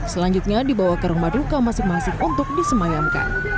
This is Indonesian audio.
selanjutnya dibawa ke rumah duka masing masing untuk disemayamkan